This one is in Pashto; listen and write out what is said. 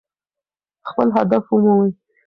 خپل هدف ومومئ.